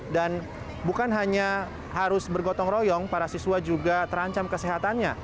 bukan hanya harus bergotong royong para siswa juga terancam kesehatannya